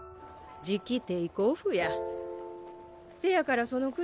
じきテークオフやせやからその靴